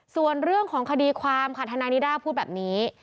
ส่วนเรื่องของคดีความค่ะทนายนิด้าพูดแบบนี้